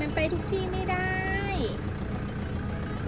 กินข้าวขอบคุณครับ